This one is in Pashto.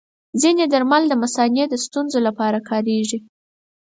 ځینې درمل د مثانې د ستونزو لپاره کارېږي.